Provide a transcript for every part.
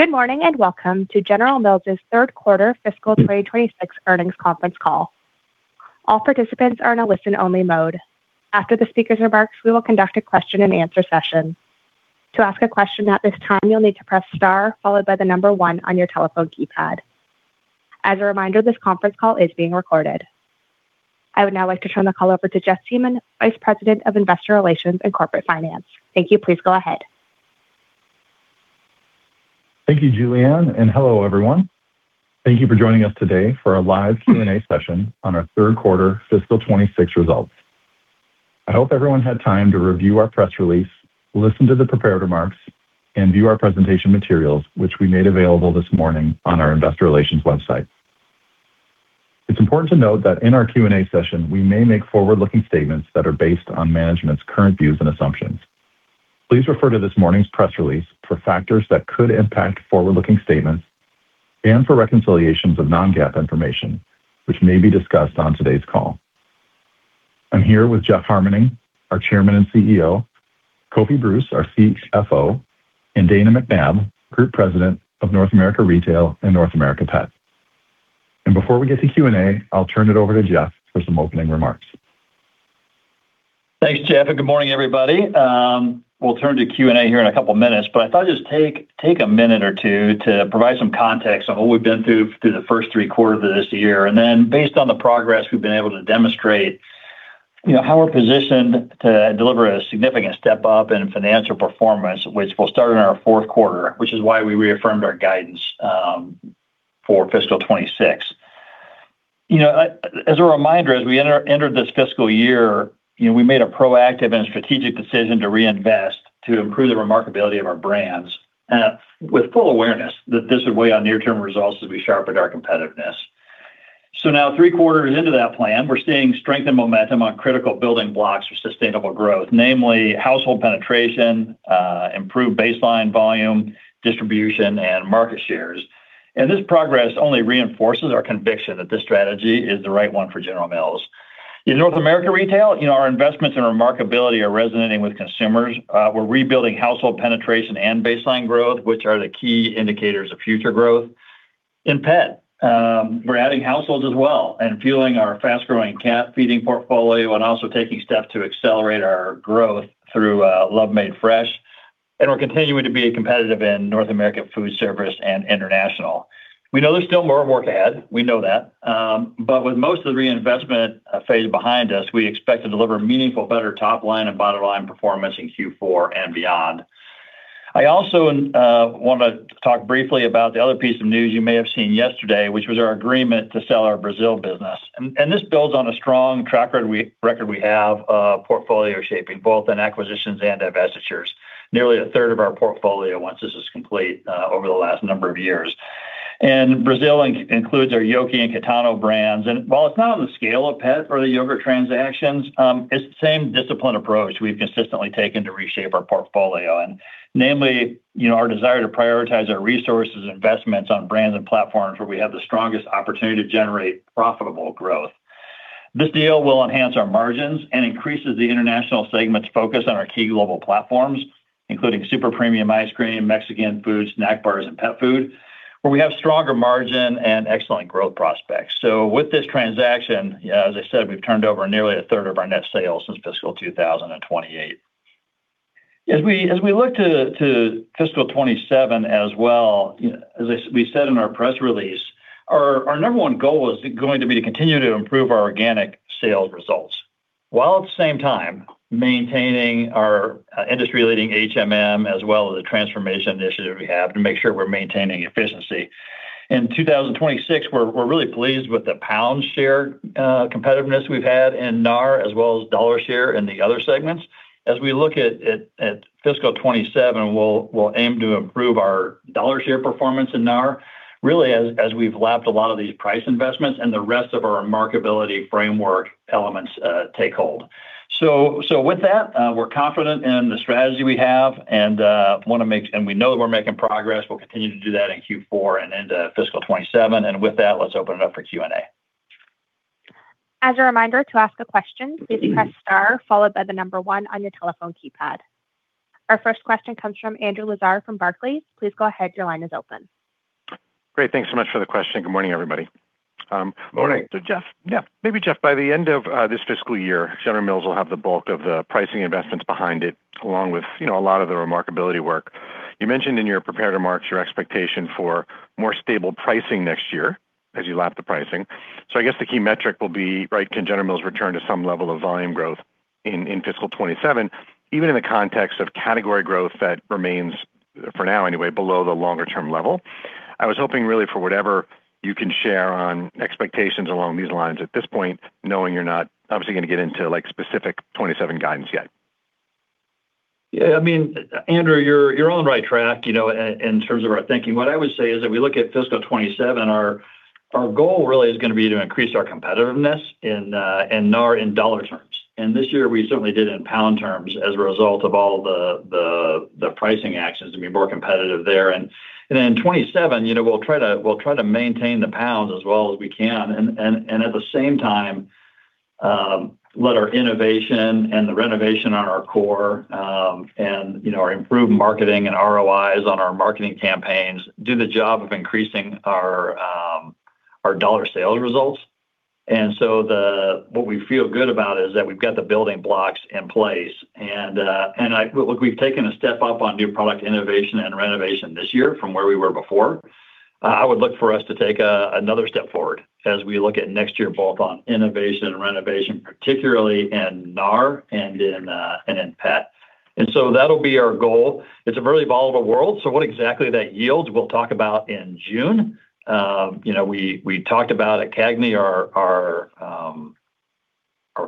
Good morning, and welcome to General Mills's third quarter fiscal 2026 earnings conference call. All participants are in a listen-only mode. After the speaker's remarks, we will conduct a question-and-answer session. To ask a question at this time, you'll need to press star followed by the number one on your telephone keypad. As a reminder, this conference call is being recorded. I would now like to turn the call over to Jeff Siemon, Vice President of Investor Relations and Corporate Finance. Thank you. Please go ahead. Thank you, Julianne, and hello, everyone. Thank you for joining us today for our live Q&A session on our third quarter fiscal 2026 results. I hope everyone had time to review our press release, listen to the prepared remarks, and view our presentation materials, which we made available this morning on our investor relations website. It's important to note that in our Q&A session, we may make forward-looking statements that are based on management's current views and assumptions. Please refer to this morning's press release for factors that could impact forward-looking statements and for reconciliations of non-GAAP information, which may be discussed on today's call. I'm here with Jeff Harmening, our Chairman and CEO, Kofi Bruce, our CFO, and Dana McNabb, Group President of North America Retail and North America Pet. Before we get to Q&A, I'll turn it over to Jeff for some opening remarks. Thanks, Jeff, and good morning, everybody. We'll turn to Q&A here in a couple of minutes, but I thought I'd just take a minute or two to provide some context on what we've been through through the first three quarters of this year. Based on the progress we've been able to demonstrate, you know, how we're positioned to deliver a significant step-up in financial performance, which will start in our fourth quarter, which is why we reaffirmed our guidance for fiscal 2026. You know, as a reminder, as we entered this fiscal year, you know, we made a proactive and strategic decision to reinvest to improve the remarkability of our brands with full awareness that this would weigh on near-term results as we sharpened our competitiveness. Now, three quarters into that plan, we're seeing strength and momentum on critical building blocks for sustainable growth, namely household penetration, improved baseline volume, distribution, and market shares. This progress only reinforces our conviction that this strategy is the right one for General Mills. In North America Retail, you know, our investments in remarkability are resonating with consumers. We're rebuilding household penetration and baseline growth, which are the key indicators of future growth. In Pet, we're adding households as well and fueling our fast-growing cat feeding portfolio and also taking steps to accelerate our growth through Love Made Fresh. We're continuing to be competitive in North America Foodservice and International. We know there's still more work ahead. We know that. With most of the reinvestment phase behind us, we expect to deliver meaningful better top line and bottom line performance in Q4 and beyond. I also want to talk briefly about the other piece of news you may have seen yesterday, which was our agreement to sell our Brazil business. This builds on a strong track record we have of portfolio shaping, both in acquisitions and divestitures. Nearly a third of our portfolio, once this is complete, over the last number of years. Brazil includes our Yoki and Kitano brands. While it's not on the scale of Pet or the yogurt transactions, it's the same disciplined approach we've consistently taken to reshape our portfolio and namely, you know, our desire to prioritize our resources and investments on brands and platforms where we have the strongest opportunity to generate profitable growth. This deal will enhance our margins and increases the international segment's focus on our key global platforms, including super premium ice cream, Mexican food, snack bars, and pet food, where we have stronger margin and excellent growth prospects. With this transaction, as I said, we've turned over nearly a third of our net sales since fiscal 2028. As we look to fiscal 2027 as well, we said in our press release, our number one goal is going to be to continue to improve our organic sales results while at the same time maintaining our industry-leading HMM as well as the transformation initiative we have to make sure we're maintaining efficiency. In 2026, we're really pleased with the pound share competitiveness we've had in NAR as well as dollar share in the other segments. As we look at fiscal 2027, we'll aim to improve our dollar share performance in NAR, really, as we've lapped a lot of these price investments and the rest of our remarkability framework elements take hold. With that, we're confident in the strategy we have and we know that we're making progress. We'll continue to do that in Q4 and into fiscal 2027. With that, let's open it up for Q&A. As a reminder, to ask a question, please press star followed by the number one on your telephone keypad. Our first question comes from Andrew Lazar from Barclays. Please go ahead. Your line is open. Great. Thanks so much for the question. Good morning, everybody. Morning. Jeff. Yeah. Maybe, Jeff, by the end of this fiscal year, General Mills will have the bulk of the pricing investments behind it, along with, you know, a lot of the remarkability work. You mentioned in your prepared remarks your expectation for more stable pricing next year as you lap the pricing. I guess the key metric will be, right, can General Mills return to some level of volume growth in fiscal 2027, even in the context of category growth that remains, for now anyway, below the longer-term level? I was hoping really for whatever you can share on expectations along these lines at this point, knowing you're not obviously going to get into, like, specific 2027 guidance yet. Yeah. I mean, Andrew, you're on the right track, you know, in terms of our thinking. What I would say is, if we look at fiscal 2027, our goal really is gonna be to increase our competitiveness in NAR in dollar terms. This year, we certainly did in pound terms as a result of all the pricing actions to be more competitive there. In 2027, you know, we'll try to maintain the pound as well as we can. At the same time, let our innovation and the renovation on our core and our improved marketing and ROIs on our marketing campaigns do the job of increasing our dollar sales results. What we feel good about is that we've got the building blocks in place. Look, we've taken a step up on new product innovation and renovation this year from where we were before. I would look for us to take another step forward as we look at next year, both on innovation and renovation, particularly in NAR and in pet. That'll be our goal. It's a very volatile world, so what exactly that yields, we'll talk about in June. You know, we talked about at CAGNY our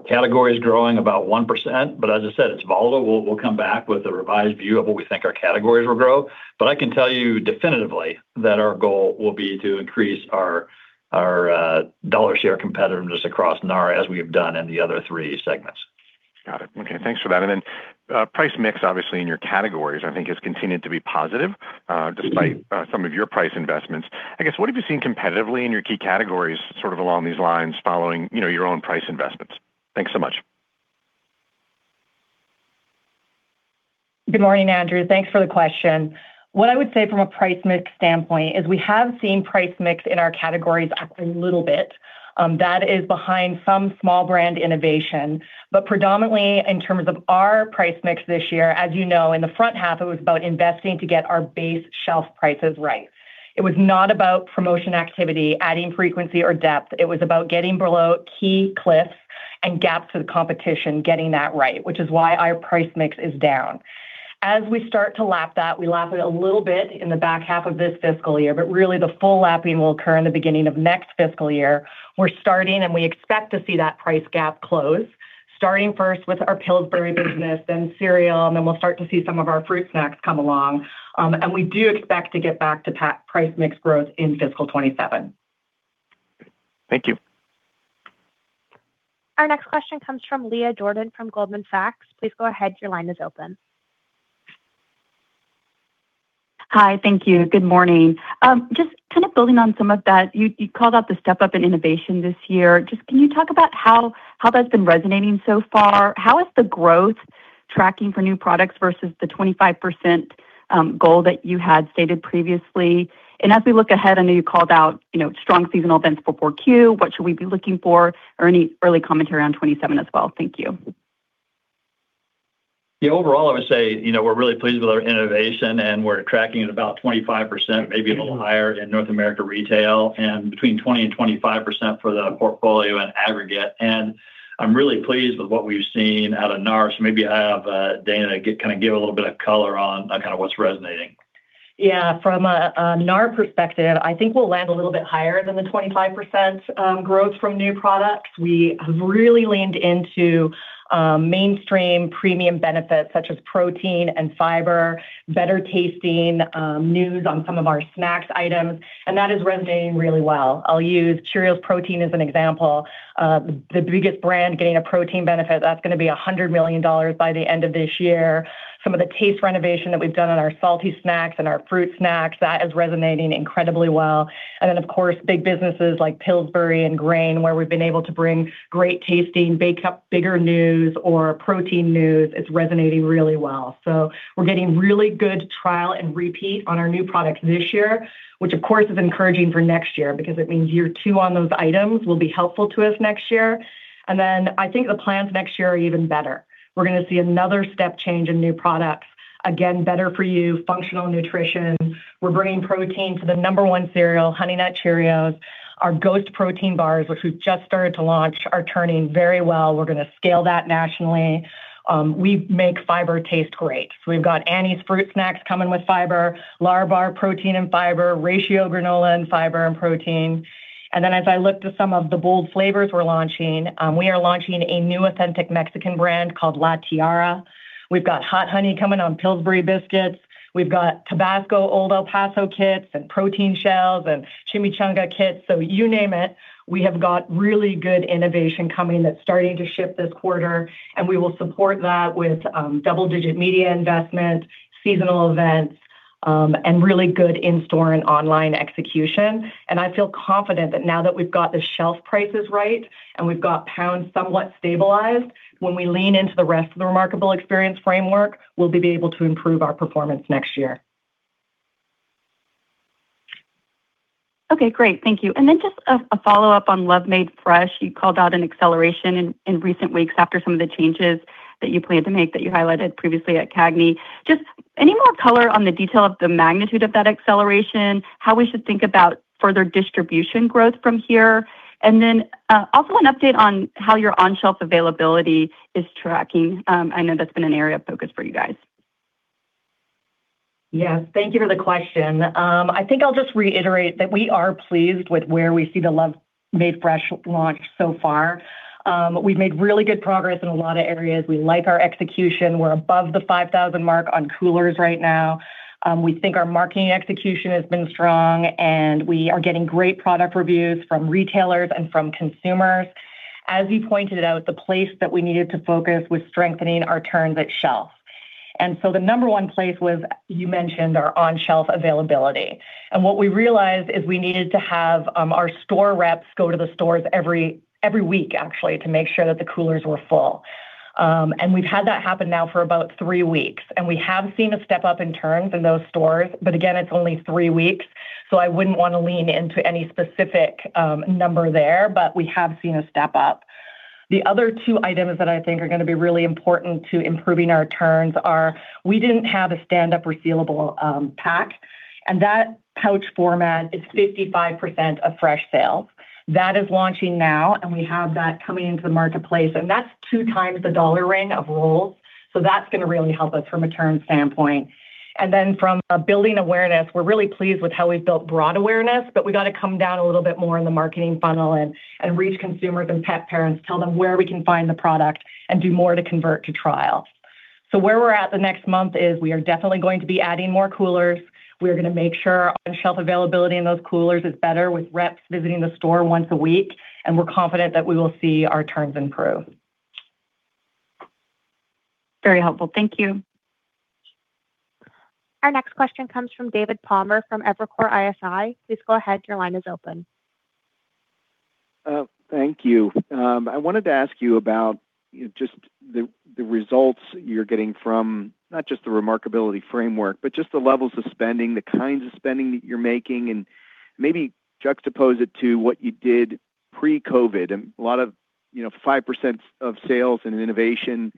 category is growing about 1%, but as I said, it's volatile. We'll come back with a revised view of what we think our categories will grow. I can tell you definitively that our goal will be to increase our dollar share competitiveness across NAR as we have done in the other three segments. Got it. Okay. Thanks for that. Price mix obviously in your categories, I think, has continued to be positive. Despite some of your price investments. I guess, what have you seen competitively in your key categories, sort of along these lines, following, you know, your own price investments? Thanks so much. Good morning, Andrew. Thanks for the question. What I would say from a price mix standpoint is we have seen price mix in our categories up a little bit. That is behind some small brand innovation. But predominantly, in terms of our price mix this year, as you know, in the front half, it was about investing to get our base shelf prices right. It was not about promotion activity, adding frequency or depth. It was about getting below key cliffs and gaps with competition, getting that right, which is why our price mix is down. As we start to lap that, we lap it a little bit in the back half of this fiscal year, but really the full lapping will occur in the beginning of next fiscal year. We're starting, and we expect to see that price gap close, starting first with our Pillsbury business, then Cereal, and then we'll start to see some of our fruit snacks come along. We do expect to get back to price mix growth in fiscal 2027. Thank you. Our next question comes from Leah Jordan from Goldman Sachs. Please go ahead. Your line is open. Hi. Thank you. Good morning. Just kind of building on some of that, you called out the step-up in innovation this year. Just can you talk about how that's been resonating so far? How is the growth tracking for new products versus the 25% goal that you had stated previously? As we look ahead, I know you called out, you know, strong seasonal events before Q. What should we be looking for? Or any early commentary on 2027 as well. Thank you. Yeah, overall, I would say, you know, we're really pleased with our innovation, and we're tracking at about 25%, maybe a little higher in North America Retail and between 20%-25% for the portfolio in aggregate. I'm really pleased with what we've seen out of NAR. Maybe I'll have Dana kind of give a little bit of color on kind of what's resonating. Yeah. From a NAR perspective, I think we'll land a little bit higher than the 25% growth from new products. We have really leaned into mainstream premium benefits such as protein and fiber, better-tasting news on some of our snacks items, and that is resonating really well. I'll use Cheerios Protein as an example. The biggest brand gaining a protein benefit, that's gonna be $100 million by the end of this year. Some of the taste renovation that we've done on our salty snacks and our fruit snacks, that is resonating incredibly well. Then, of course, big businesses like Pillsbury and Grands!, where we've been able to bring great-tasting, baked up bigger news or protein news, it's resonating really well. We're getting really good trial and repeat on our new products this year, which of course is encouraging for next year because it means year two on those items will be helpful to us next year. I think the plans next year are even better. We're gonna see another step change in new products. Again, better for you, functional nutrition. We're bringing protein to the number one cereal, Honey Nut Cheerios. Our Ghost protein bars, which we've just started to launch, are turning very well. We're gonna scale that nationally. We make fiber taste great. We've got Annie's fruit snacks coming with fiber, Lärabar protein and fiber, :ratio granola and fiber and protein. As I look to some of the bold flavors we're launching, we are launching a new authentic Mexican brand called La Tiara. We've got Hot Honey coming on Pillsbury biscuits. We've got Tabasco Old El Paso kits and protein shells and Chimichanga kits. You name it, we have got really good innovation coming that's starting to ship this quarter, and we will support that with double-digit media investment, seasonal events, and really good in-store and online execution. I feel confident that now that we've got the shelf prices right and we've got pounds somewhat stabilized, when we lean into the rest of the Remarkable Experience Framework, we'll be able to improve our performance next year. Okay, great. Thank you. Just a follow-up on Love Made Fresh. You called out an acceleration in recent weeks after some of the changes that you planned to make that you highlighted previously at CAGNY. Just any more color on the detail of the magnitude of that acceleration, how we should think about further distribution growth from here, and then also an update on how your on-shelf availability is tracking. I know that's been an area of focus for you guys. Yes. Thank you for the question. I think I'll just reiterate that we are pleased with where we see the Love Made Fresh launch so far. We've made really good progress in a lot of areas. We like our execution. We're above the 5,000 mark on coolers right now. We think our marketing execution has been strong, and we are getting great product reviews from retailers and from consumers. As you pointed out, the place that we needed to focus was strengthening our turns at shelf. The number one place was, you mentioned, our on-shelf availability. What we realized is we needed to have our store reps go to the stores every week actually, to make sure that the coolers were full. We've had that happen now for about three weeks, and we have seen a step up in turns in those stores. Again, it's only three weeks, so I wouldn't wanna lean into any specific number there, but we have seen a step up. The other two items that I think are gonna be really important to improving our turns are we didn't have a stand-up resealable pack, and that pouch format is 55% of fresh sales. That is launching now, and we have that coming into the marketplace, and that's two times the dollar ring of rolls. That's gonna really help us from a turn standpoint. Then from a building awareness, we're really pleased with how we've built broad awareness, but we gotta come down a little bit more in the marketing funnel and reach consumers and pet parents, tell them where we can find the product and do more to convert to trials. Where we're at the next month is we are definitely going to be adding more coolers. We are gonna make sure our on-shelf availability in those coolers is better with reps visiting the store once a week, and we're confident that we will see our turns improve. Very helpful. Thank you. Our next question comes from David Palmer from Evercore ISI. Please go ahead. Your line is open. Thank you. I wanted to ask you about just the results you're getting from not just the remarkability framework, but just the levels of spending, the kinds of spending that you're making, and maybe juxtapose it to what you did pre-COVID. A lot of, you know, 5% of sales and innovation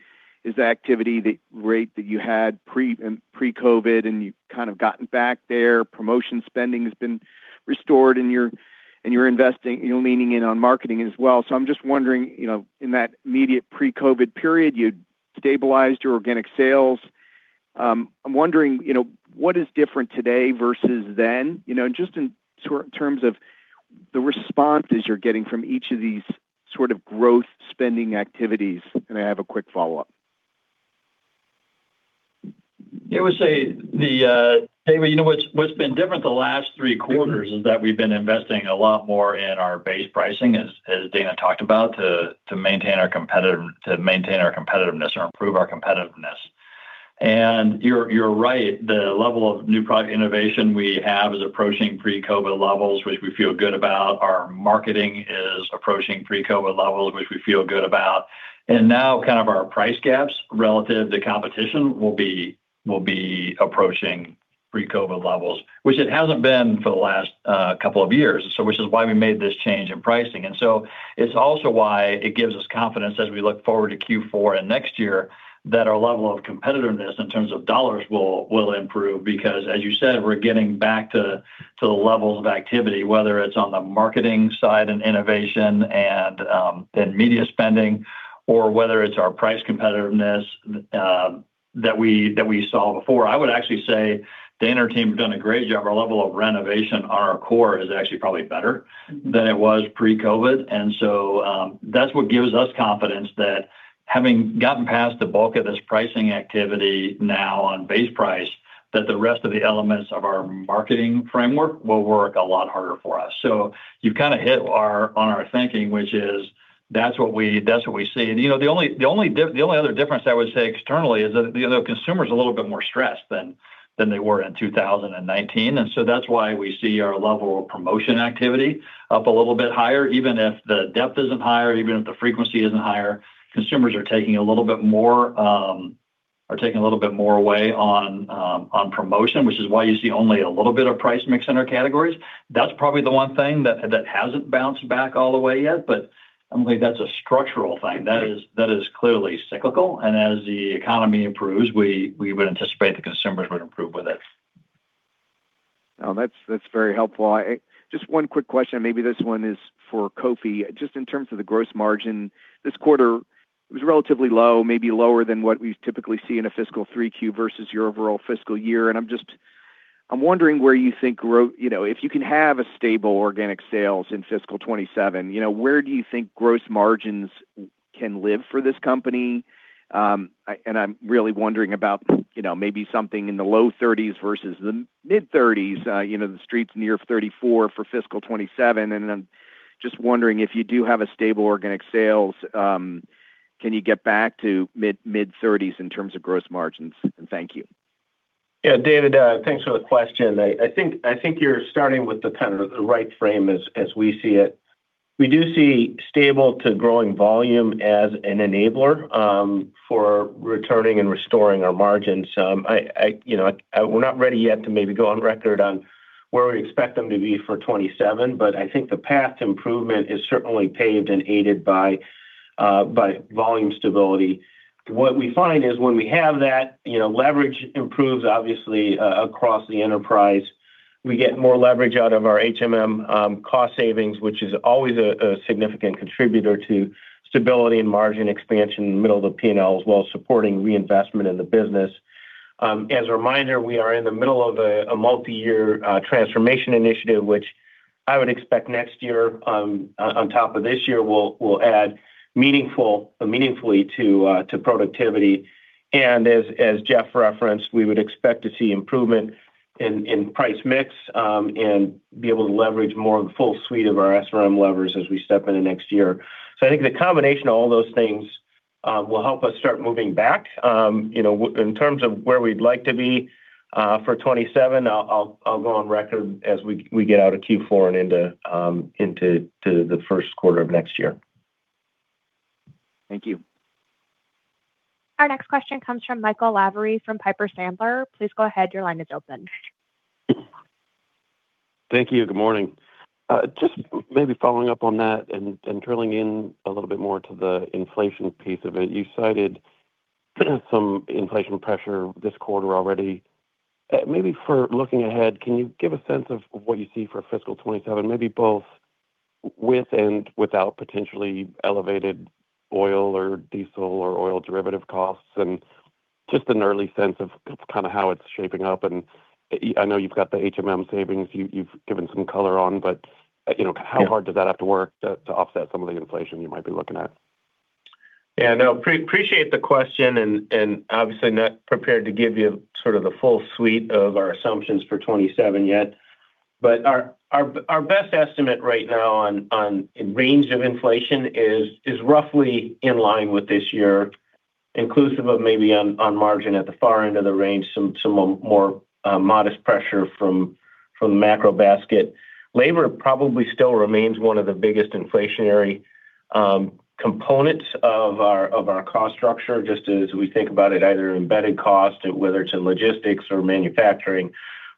is the activity, the rate that you had pre-COVID, and you've kind of gotten back there. Promotion spending has been restored, and you're investing, you know, leaning in on marketing as well. I'm just wondering, you know, in that immediate pre-COVID period, you stabilized your organic sales. I'm wondering, you know, what is different today versus then. You know, just in terms of the responses you're getting from each of these sort of growth spending activities. I have a quick follow-up. I would say, David, you know what's been different the last three quarters is that we've been investing a lot more in our base pricing, as Dana talked about, to maintain our competitiveness or improve our competitiveness. You're right, the level of new product innovation we have is approaching pre-COVID levels, which we feel good about. Our marketing is approaching pre-COVID levels, which we feel good about. Now kind of our price gaps relative to competition will be approaching pre-COVID levels, which it hasn't been for the last couple of years. Which is why we made this change in pricing. It's also why it gives us confidence as we look forward to Q4 and next year that our level of competitiveness in terms of dollars will improve because, as you said, we're getting back to the levels of activity, whether it's on the marketing side and innovation and media spending or whether it's our price competitiveness, that we saw before. I would actually say Dana and her team have done a great job. Our level of renovation on our core is actually probably better than it was pre-COVID. That's what gives us confidence that having gotten past the bulk of this pricing activity now on base price, that the rest of the elements of our marketing framework will work a lot harder for us. You've kinda hit on our thinking, which is that's what we see. You know, the only other difference I would say externally is that, you know, consumers are a little bit more stressed than they were in 2019. That's why we see our level of promotion activity up a little bit higher, even if the depth isn't higher, even if the frequency isn't higher. Consumers are taking a little bit more away on promotion, which is why you see only a little bit of price mix in our categories. That's probably the one thing that hasn't bounced back all the way yet. I believe that's a structural thing. That is clearly cyclical. As the economy improves, we would anticipate the consumers would improve with it. No, that's very helpful. Just one quick question, maybe this one is for Kofi. Just in terms of the gross margin, this quarter was relatively low, maybe lower than what we typically see in a fiscal 3Q versus your overall fiscal year. I'm wondering where you think you know, if you can have a stable organic sales in fiscal 2027, you know, where do you think gross margins can live for this company? I'm really wondering about, you know, maybe something in the low 30s% versus the mid-30s%. You know, the street's near 34% for fiscal 2027, and I'm just wondering if you do have a stable organic sales, can you get back to mid-30s% in terms of gross margins? Thank you. Yeah, David, thanks for the question. I think you're starting with kinda the right frame as we see it. We do see stable to growing volume as an enabler for returning and restoring our margins. You know, we're not ready yet to maybe go on record on where we expect them to be for 2027, but I think the path to improvement is certainly paved and aided by volume stability. What we find is when we have that, you know, leverage improves obviously across the enterprise. We get more leverage out of our HMM cost savings, which is always a significant contributor to stability and margin expansion in the middle of the P&L while supporting reinvestment in the business. As a reminder, we are in the middle of a multi-year transformation initiative, which I would expect next year, on top of this year, will add meaningfully to productivity. As Jeff referenced, we would expect to see improvement In price mix and be able to leverage more full suite of our SRM levers as we step into next year. I think the combination of all those things will help us start moving back, you know, in terms of where we'd like to be for 2027. I'll go on record as we get out of Q4 and into the first quarter of next year. Thank you. Our next question comes from Michael Lavery from Piper Sandler. Please go ahead. Your line is open. Thank you. Good morning. Just maybe following up on that and drilling in a little bit more to the inflation piece of it. You cited some inflation pressure this quarter already. Maybe for looking ahead, can you give a sense of what you see for fiscal 2027, maybe both with and without potentially elevated oil or diesel or oil derivative costs, and just an early sense of kind of how it's shaping up. I know you've got the HMM savings you've given some color on, but you know, how hard does that have to work to offset some of the inflation you might be looking at? Yeah, no, appreciate the question and obviously not prepared to give you sort of the full suite of our assumptions for 2027 yet. Our best estimate right now on range of inflation is roughly in line with this year, inclusive of maybe on margin at the far end of the range, some more modest pressure from the macro basket. Labor probably still remains one of the biggest inflationary components of our cost structure, just as we think about it, either embedded cost, whether it's in logistics or manufacturing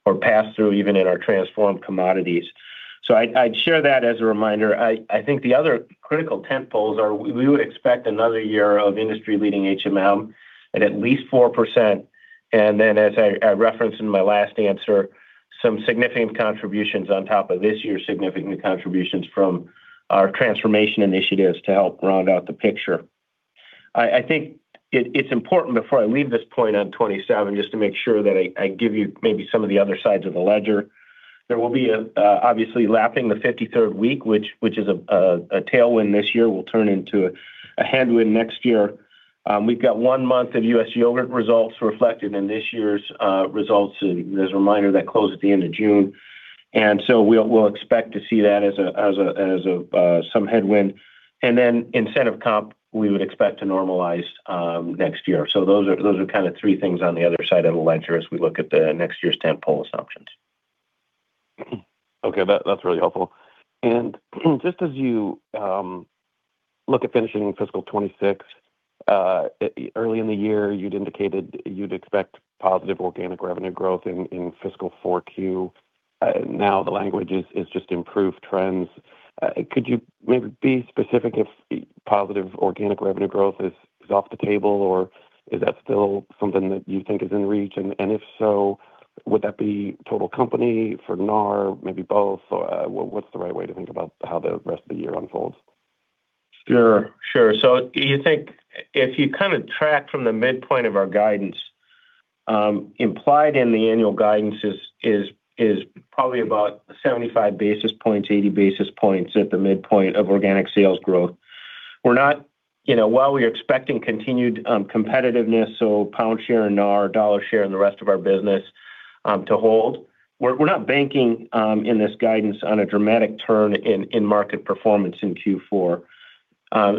or pass-through, even in our transformed commodities. I'd share that as a reminder. I think the other critical tentpoles are we would expect another year of industry-leading HMM at least 4%. As I referenced in my last answer, some significant contributions on top of this year's significant contributions from our transformation initiatives to help round out the picture. I think it's important before I leave this point on 2027, just to make sure that I give you maybe some of the other sides of the ledger. There will be, obviously, lapping the 53rd week, which is a tailwind this year, will turn into a headwind next year. We've got one month of U.S. yogurt results reflected in this year's results. As a reminder, that closed at the end of June. We'll expect to see that as some headwind. Incentive comp, we would expect to normalize next year. Those are kind of three things on the other side of the ledger as we look at the next year's tentpole assumptions. Okay, that's really helpful. Just as you look at finishing fiscal 2026, early in the year, you'd indicated you'd expect positive organic revenue growth in fiscal 4Q. Now the language is just improved trends. Could you maybe be specific if positive organic revenue growth is off the table, or is that still something that you think is in reach? If so, would that be total company for NAR, maybe both? Or what's the right way to think about how the rest of the year unfolds? Sure, sure. If you kind of track from the midpoint of our guidance, implied in the annual guidance is probably about 75 basis points, 80 basis points at the midpoint of organic sales growth. We're not, while we're expecting continued competitiveness, pound share and NAR dollar share in the rest of our business to hold, we're not banking in this guidance on a dramatic turn in market performance in Q4.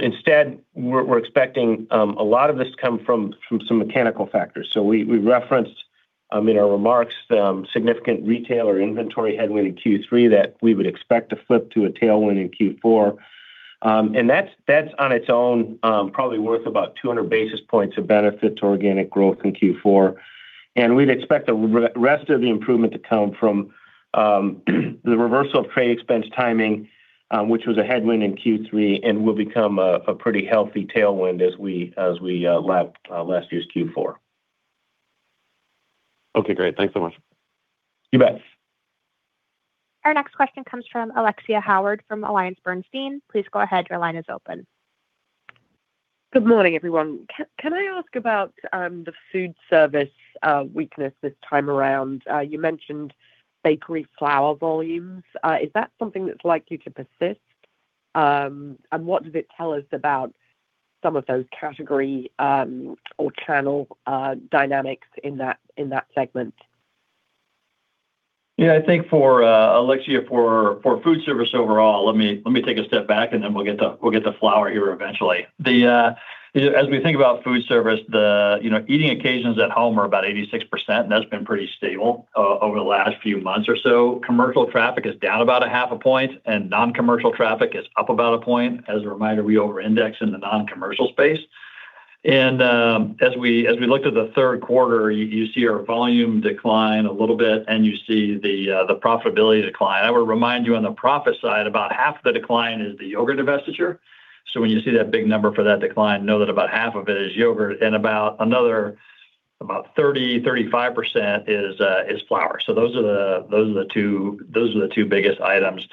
Instead, we're expecting a lot of this to come from some mechanical factors. We referenced in our remarks significant retailer inventory headwind in Q3 that we would expect to flip to a tailwind in Q4. That's on its own probably worth about 200 basis points of benefit to organic growth in Q4. We'd expect the rest of the improvement to come from the reversal of trade expense timing, which was a headwind in Q3 and will become a pretty healthy tailwind as we lap last year's Q4. Okay, great. Thanks so much. You bet. Our next question comes from Alexia Howard from AllianceBernstein. Please go ahead. Your line is open. Good morning, everyone. Can I ask about the food service weakness this time around? You mentioned bakery flour volumes. Is that something that's likely to persist? What does it tell us about some of those category or channel dynamics in that segment? Yeah, I think for Alexia, for food service overall, let me take a step back and then we'll get the flour here eventually. As we think about food service, eating occasions at home are about 86%, and that's been pretty stable over the last few months or so. Commercial traffic is down about half a point, and non-commercial traffic is up about a point. As a reminder, we over-index in the non-commercial space. As we looked at the third quarter, you see our volume decline a little bit and you see the profitability decline. I would remind you on the profit side, about half the decline is the yogurt divestiture. When you see that big number for that decline, know that about half of it is yogurt and about another 35% is flour. Those are the two biggest items.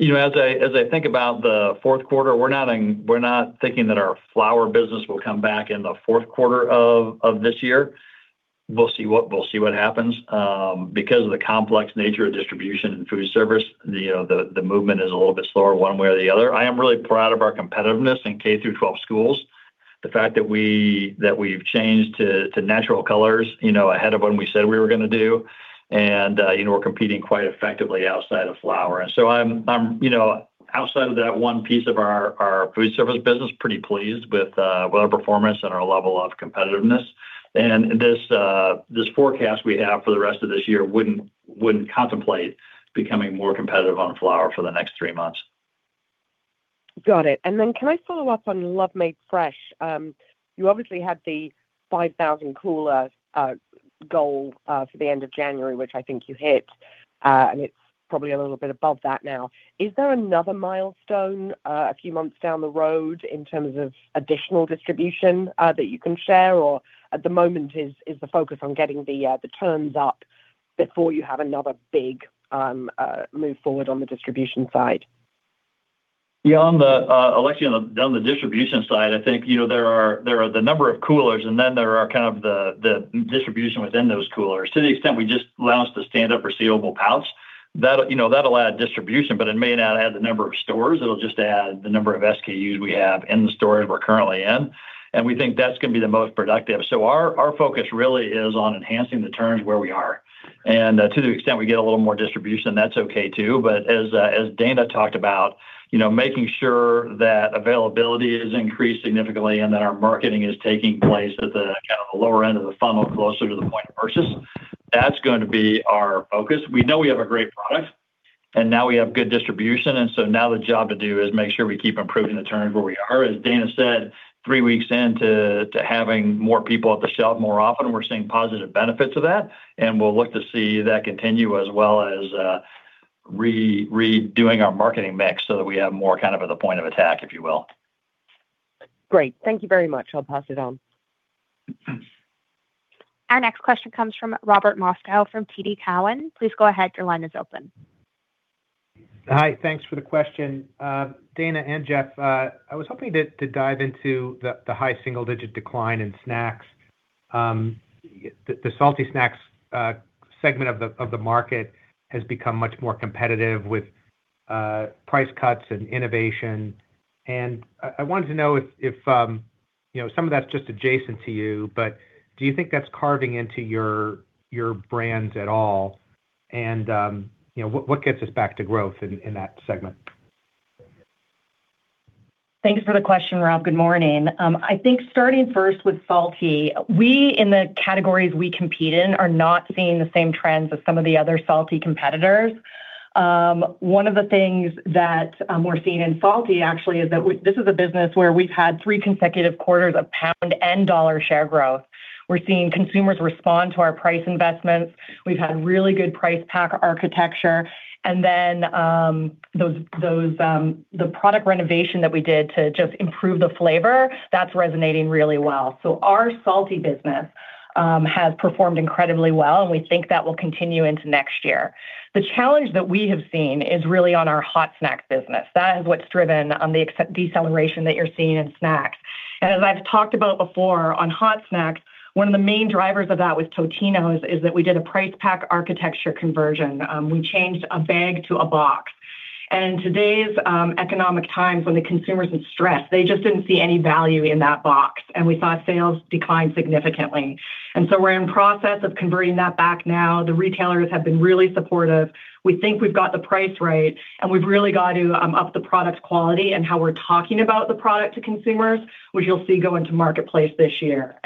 As I think about the fourth quarter, we're not thinking that our flour business will come back in the fourth quarter of this year. We'll see what happens. Because of the complex nature of distribution and food service, the movement is a little bit slower one way or the other. I am really proud of our competitiveness in K-12 schools. The fact that we've changed to natural colors, you know, ahead of when we said we were gonna do, and, you know, we're competing quite effectively outside of flour. I'm, you know, outside of that one piece of our food service business, pretty pleased with our performance and our level of competitiveness. This forecast we have for the rest of this year wouldn't contemplate becoming more competitive on flour for the next three months. Got it. Can I follow up on Love Made Fresh? You obviously had the 5,000-cooler goal for the end of January, which I think you hit, and it's probably a little bit above that now. Is there another milestone a few months down the road in terms of additional distribution that you can share? At the moment is the focus on getting the turns up before you have another big move forward on the distribution side? Yeah, Alexia, on the distribution side, I think, you know, there are the number of coolers, and then there are kind of the distribution within those coolers. To the extent we just launched the stand-up resealable pouch, that'll add distribution, but it may not add the number of stores. It'll just add the number of SKUs we have in the stores we're currently in. We think that's gonna be the most productive. Our focus really is on enhancing the turns where we are. To the extent we get a little more distribution, that's okay too. As Dana talked about, you know, making sure that availability is increased significantly and that our marketing is taking place at kinda the lower end of the funnel, closer to the point of purchase, that's going to be our focus. We know we have a great product, and now we have good distribution. Now the job to do is make sure we keep improving the turns where we are. As Dana said, three weeks into having more people at the shelf more often, we're seeing positive benefits of that, and we'll look to see that continue as well as redoing our marketing mix so that we have more kind of at the point of attack, if you will. Great. Thank you very much. I'll pass it on. Our next question comes from Robert Moskow from TD Cowen. Please go ahead. Your line is open. Hi. Thanks for the question. Dana and Jeff, I was hoping to dive into the high single-digit decline in snacks. The salty snacks segment of the market has become much more competitive with price cuts and innovation. I wanted to know if, you know, some of that's just adjacent to you, but do you think that's carving into your brands at all? You know, what gets us back to growth in that segment? Thanks for the question, Rob. Good morning. I think starting first with salty, we, in the categories we compete in, are not seeing the same trends as some of the other salty competitors. One of the things that we're seeing in salty actually is that this is a business where we've had three consecutive quarters of pound and dollar share growth. We're seeing consumers respond to our price investments. We've had really good price pack architecture. And then, the product renovation that we did to just improve the flavor, that's resonating really well. So our salty business has performed incredibly well, and we think that will continue into next year. The challenge that we have seen is really on our hot snack business. That is what's driven the deceleration that you're seeing in snacks. As I've talked about before, on hot snacks, one of the main drivers of that with Totino's is that we did a price pack architecture conversion. We changed a bag to a box. In today's economic times when the consumer's in stress, they just didn't see any value in that box, and we saw sales decline significantly. We're in process of converting that back now. The retailers have been really supportive. We think we've got the price right, and we've really got to up the product quality and how we're talking about the product to consumers, which you'll see go into marketplace this year.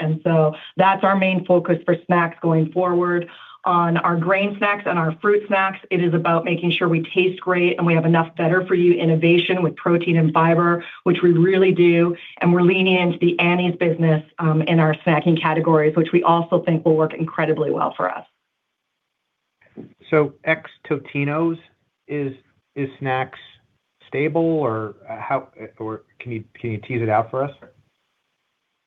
That's our main focus for snacks going forward. On our grain snacks and our fruit snacks, it is about making sure we taste great, and we have enough better for you innovation with protein and fiber, which we really do, and we're leaning into the Annie's business, in our snacking categories, which we also think will work incredibly well for us. Ex-Totino's, is snacks stable or how can you tease it out for us?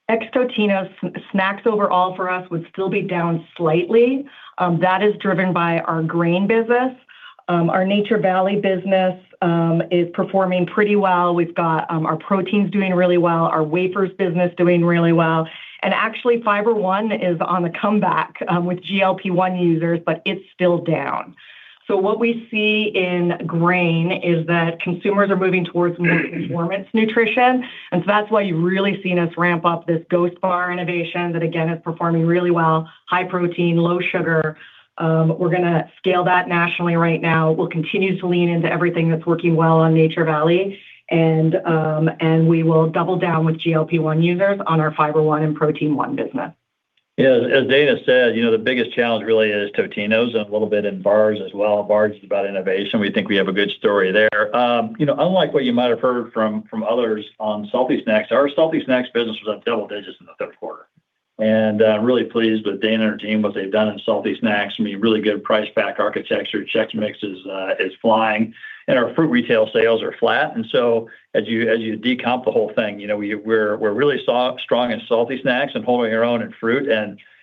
Ex Totino's, snacks overall for us would still be down slightly. That is driven by our grain business. Our Nature Valley business is performing pretty well. We've got our proteins doing really well, our wafers business doing really well. Actually, Fiber One is on the comeback with GLP-1 users, but it's still down. What we see in grain is that consumers are moving towards more performance nutrition, and that's why you've really seen us ramp up this Ghost Bar innovation that, again, is performing really well, high protein, low sugar. We're gonna scale that nationally right now. We'll continue to lean into everything that's working well on Nature Valley, and we will double down with GLP-1 users on our Fiber One and Protein One business. Yeah, as Dana said, you know, the biggest challenge really is Totino's and a little bit in bars as well. Bars is about innovation. We think we have a good story there. Unlike what you might have heard from others on salty snacks, our salty snacks business was up double digits in the third quarter. I'm really pleased with Dana and her team, what they've done in salty snacks. I mean, really good price pack architecture. Chex Mix is flying. Our fruit retail sales are flat. As you decomp the whole thing, you know, we're really strong in salty snacks and holding our own in fruit.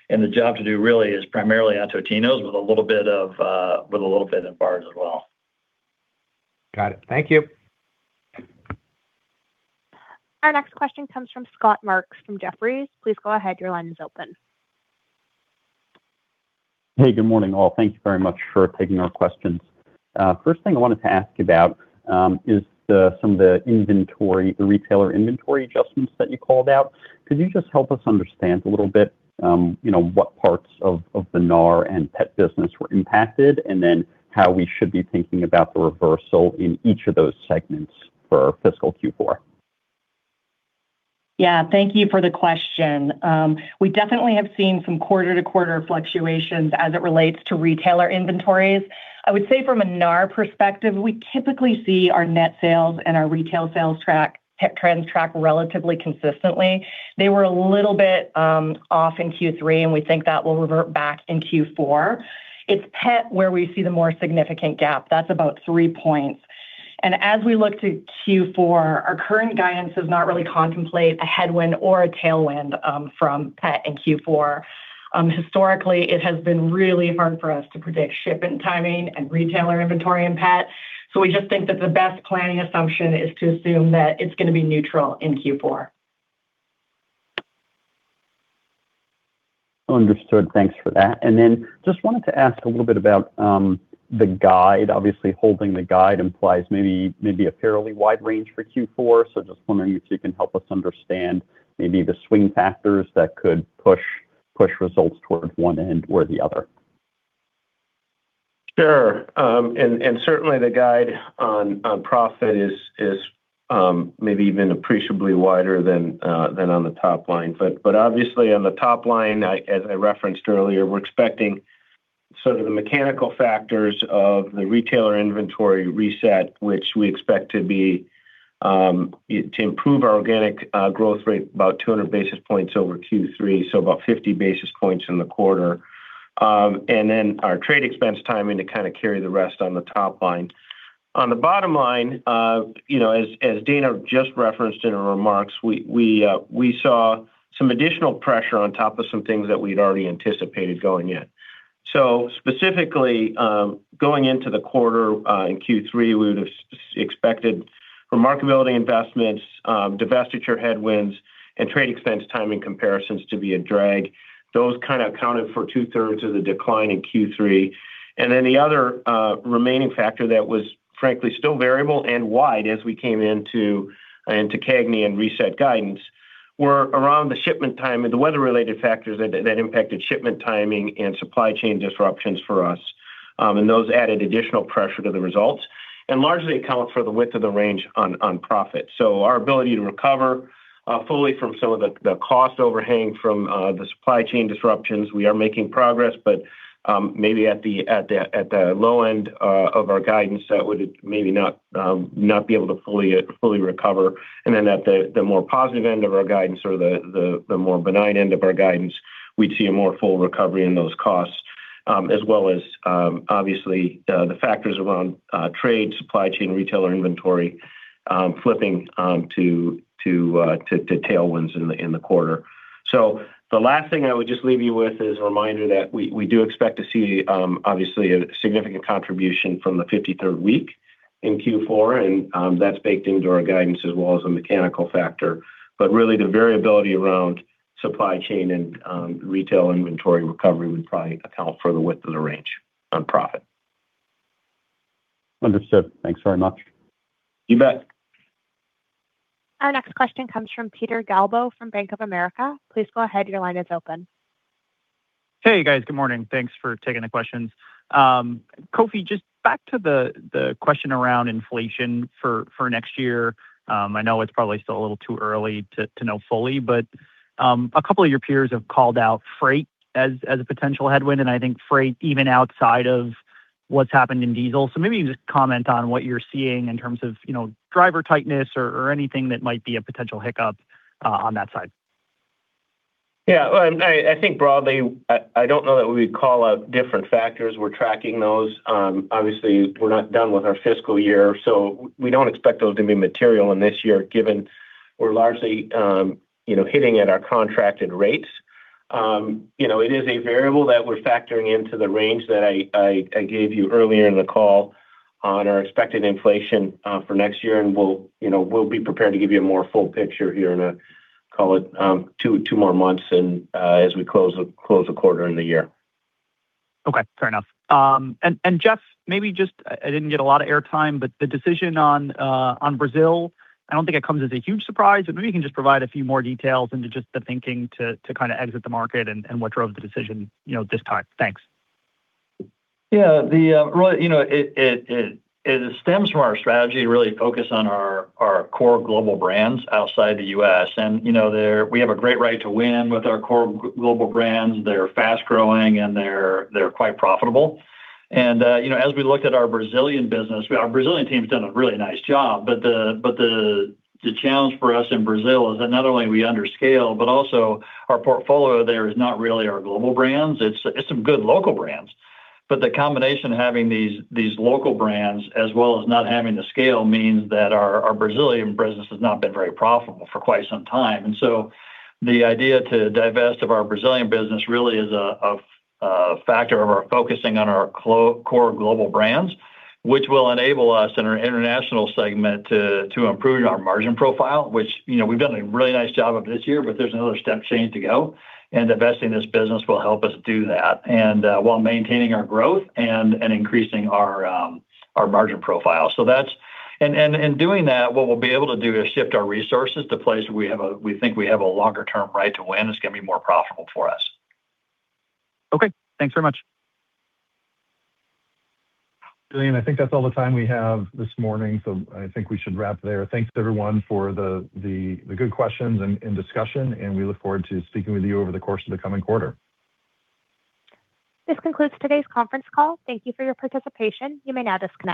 The job to do really is primarily on Totino's with a little bit in bars as well. Got it. Thank you. Our next question comes from Scott Marks from Jefferies. Please go ahead. Your line is open. Hey, good morning, all. Thank you very much for taking our questions. First thing I wanted to ask about is some of the inventory, the retailer inventory adjustments that you called out. Could you just help us understand a little bit, you know, what parts of the NAR and pet business were impacted, and then how we should be thinking about the reversal in each of those segments for fiscal Q4? Yeah, thank you for the question. We definitely have seen some quarter-to-quarter fluctuations as it relates to retailer inventories. I would say from a NAR perspective, we typically see our net sales and our retail sales trends track relatively consistently. They were a little bit off in Q3, and we think that will revert back in Q4. It's Pet where we see the more significant gap, that's about three points. As we look to Q4, our current guidance does not really contemplate a headwind or a tailwind from Pet in Q4. Historically, it has been really hard for us to predict shipment timing and retailer inventory in Pet. We just think that the best planning assumption is to assume that it's gonna be neutral in Q4. Understood. Thanks for that. Just wanted to ask a little bit about the guide. Obviously, holding the guide implies maybe a fairly wide range for Q4. Just wondering if you can help us understand maybe the swing factors that could push results toward one end or the other. Sure. Certainly the guide on profit is maybe even appreciably wider than on the top line. Obviously on the top line, as I referenced earlier, we're expecting sort of the mechanical factors of the retailer inventory reset, which we expect to improve our organic growth rate about 200 basis points over Q3, so about 50 basis points in the quarter. Then our trade expense timing to kinda carry the rest on the top line. On the bottom line, you know, as Dana just referenced in her remarks, we saw some additional pressure on top of some things that we'd already anticipated going in. Specifically, going into the quarter, in Q3, we would've expected remarkability investments, divestiture headwinds, and trade expense timing comparisons to be a drag. Those kinda accounted for two-thirds of the decline in Q3. The other remaining factor that was frankly still variable and wide as we came into CAGNY and reset guidance were around the shipment time and the weather-related factors that impacted shipment timing and supply chain disruptions for us. Those added additional pressure to the results and largely account for the width of the range on profit. Our ability to recover fully from some of the cost overhang from the supply chain disruptions. We are making progress, but maybe at the low end of our guidance that would maybe not be able to fully recover. At the more positive end of our guidance or the more benign end of our guidance, we'd see a more full recovery in those costs. As well as obviously the factors around trade, supply chain, retailer inventory flipping to tailwinds in the quarter. The last thing I would just leave you with is a reminder that we do expect to see obviously a significant contribution from the 53rd week in Q4, and that's baked into our guidance as well as a mechanical factor. But really the variability around supply chain and retail inventory recovery would probably account for the width of the range on profit. Understood. Thanks very much. You bet. Our next question comes from Peter Galbo from Bank of America. Please go ahead, your line is open. Hey, guys. Good morning. Thanks for taking the questions. Kofi, just back to the question around inflation for next year. I know it's probably still a little too early to know fully, but a couple of your peers have called out freight as a potential headwind, and I think freight even outside of what's happened in diesel. Maybe you just comment on what you're seeing in terms of, you know, driver tightness or anything that might be a potential hiccup on that side. Yeah. Well, I think broadly, I don't know that we call out different factors. We're tracking those. Obviously we're not done with our fiscal year, so we don't expect those to be material in this year given we're largely, you know, hitting at our contracted rates. You know, it is a variable that we're factoring into the range that I gave you earlier in the call on our expected inflation for next year. We'll, you know, be prepared to give you a more full picture here in, call it, 2 more months and as we close a quarter in the year. Okay. Fair enough. Jeff, maybe just, I didn't get a lot of air time, but the decision on Brazil, I don't think it comes as a huge surprise, but maybe you can just provide a few more details into just the thinking to kinda exit the market and what drove the decision, you know, this time. Thanks. Yeah. Well, you know, it stems from our strategy to really focus on our core global brands outside the U.S. You know, we have a great right to win with our core global brands. They're fast-growing and they're quite profitable. You know, as we looked at our Brazilian business, our Brazilian team's done a really nice job. The challenge for us in Brazil is that not only are we under scale, but also our portfolio there is not really our global brands. It's some good local brands. The combination of having these local brands as well as not having the scale means that our Brazilian business has not been very profitable for quite some time. The idea to divest of our Brazilian business really is a factor of our focusing on our core global brands, which will enable us in our international segment to improve our margin profile, which, you know, we've done a really nice job of this year, but there's another step change to go. Divesting this business will help us do that and while maintaining our growth and increasing our margin profile. Doing that, what we'll be able to do is shift our resources to places we think we have a longer term right to win, it's gonna be more profitable for us. Okay. Thanks very much. Julianne, I think that's all the time we have this morning, so I think we should wrap there. Thanks everyone for the good questions and discussion, and we look forward to speaking with you over the course of the coming quarter. This concludes today's conference call. Thank you for your participation. You may now disconnect.